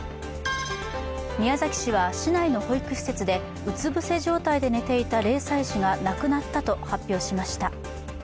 宮崎市は市内の保育施設でうつぶせ状態で寝ていた０歳児が亡くなったと発表しました。